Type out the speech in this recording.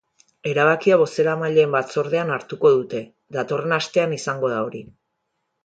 Erabakia bozeramaileen batzordean hartuko dute, datorren astean izango da hori.